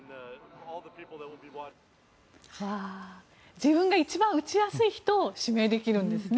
自分が一番打ちやすい人を指名できるんですね。